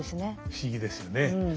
不思議ですよね。